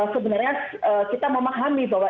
sebenarnya kita memahami bahwa